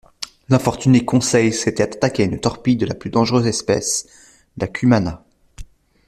L'infortuné Conseil s'était attaqué à une torpille de la plus dangereuse espèce, la cumana.